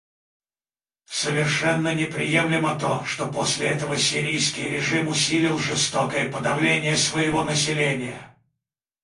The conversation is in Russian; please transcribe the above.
Совершенно неприемлемо то, что после этого сирийский режим усилил жестокое подавление своего населения.